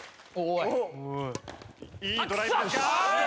いいドライブです。